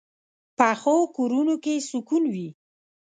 پخو کورونو کې سکون وي